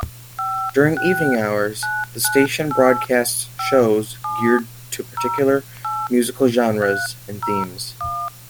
During evening hours, the station broadcasts shows geared to particular musical genres and themes.